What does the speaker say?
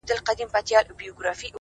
• د قدرت گيند چي به خوشي پر ميدان سو,